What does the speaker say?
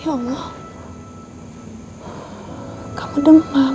ya allah kamu demam